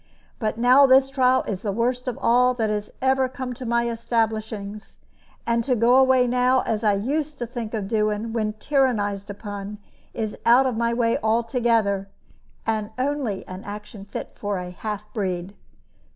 But now this trial is the worst of all that ever come to my establishings; and to go away now as I used to think of doing when tyrannized upon is out of my way altogether, and only an action fit for a half breed.